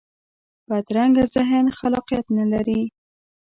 بدرنګه ذهن خلاقیت نه لري